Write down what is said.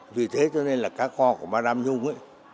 vì thế cá kho của ma đam nhung